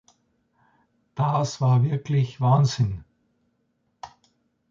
Das war wirklich Wahnsinn.